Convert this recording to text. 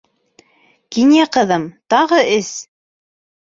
Кинйә ҡыҙым, тағы эс!